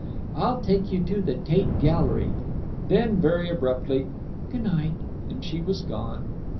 I'll take you to the Tate Gallery." Then, very abruptly, "G' night," and she was gone.